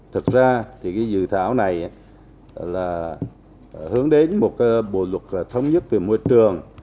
thực ra dự thảo này hướng đến một bộ luật thống nhất về môi trường